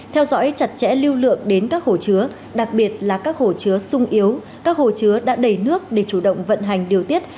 theo dõi chặt chẽ lưu lượng đến các hồ chứa đặc biệt là các hồ chứa sung yếu các hồ chứa đã đầy nước để chủ động vận hành điều tiết